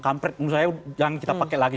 kampret menurut saya jangan kita pakai lagi